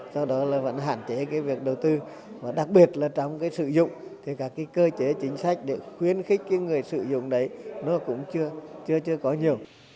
do đó là vẫn hạn chế cái việc đầu tư và đặc biệt là trong cái sử dụng thì các cái cơ chế chính sách để khuyến khích cái người sử dụng đấy nó cũng chưa có nhiều